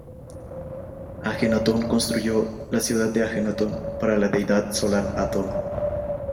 Ajenatón construyó la ciudad de Ajetatón para la deidad solar Atón.